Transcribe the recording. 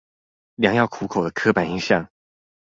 良藥苦口的刻板印象